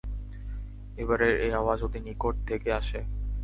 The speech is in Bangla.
এবারের এ আওয়াজ অতি নিকট থেকে আসে।